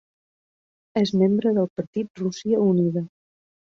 És membre del partit Rússia Unida.